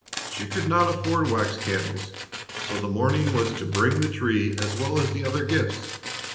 She could not afford wax candles, so the morning was to bring the tree as well as the other gifts.